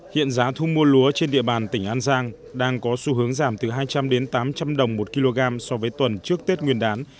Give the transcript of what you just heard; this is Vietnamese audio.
hiện giá thu mua lúa trên địa bàn tỉnh an giang đang có xu hướng giảm từ hai trăm linh tám trăm linh đồng một kg so với tuần trước tết nguyên đán